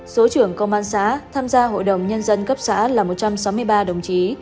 số trưởng công an xã tham gia hội đồng nhân dân cấp xã là một trăm sáu mươi ba đồng chí